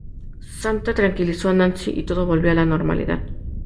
Santa tranquilizó a Nancy y todo volvió a la normalidad.